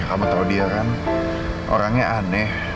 ya kamu tau dia kan orangnya aneh